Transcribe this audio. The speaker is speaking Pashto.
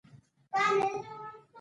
ایا ستاسو محکمه به رڼه نه وي؟